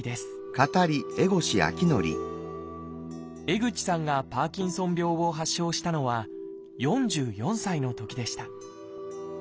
江口さんがパーキンソン病を発症したのは４４歳のときでした。